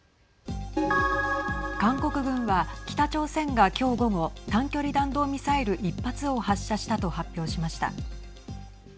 韓国軍は北朝鮮が今日午後短距離弾道ミサイル１発を発射したと発表しました。